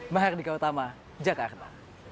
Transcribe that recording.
mahardika utama jakarta